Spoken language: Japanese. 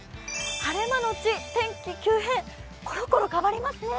晴れ間のち天気急変、ころころ変わりますね。